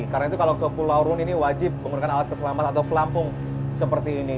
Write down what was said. karena itu kalau ke pulau rune ini wajib menggunakan alat keselamatan atau pelampung seperti ini